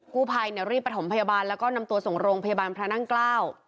กู้ภัยเนี่ยรีบประถมพยาบาลแล้วก็นำตัวส่งโรงพยาบาลพระนั่งเกล้า